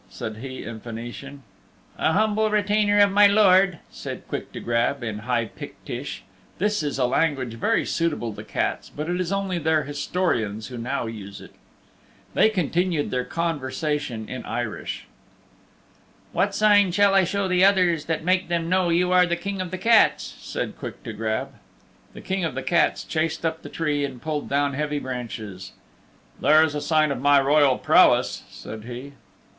said he in Phoenician. "A humble retainer of my lord," said Quick to Grab in High Pictish (this is a language very suitable to cats but it is only their historians who now use it). They continued their conversation in Irish. "What sign shall I show the others that will make them know you are the King of the Cats?" said Quick to Grab. The King of the Cats chased up the tree and pulled down heavy branches. "There is a sign of my royal prowess," said he.